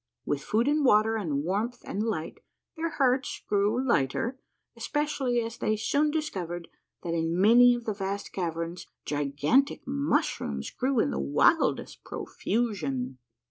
With food and water and Avarmth and light their hearts greAv lighter, especially as they soon discovered that in many of the vast caverns gigantic mush rooms grew in the wildest profusion.